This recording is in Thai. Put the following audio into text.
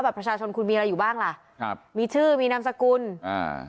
ประชาชนคุณมีอะไรอยู่บ้างล่ะครับมีชื่อมีนามสกุลอ่า